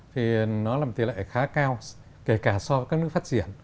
thì nó là một tỷ lệ khá cao kể cả so với các nước phát triển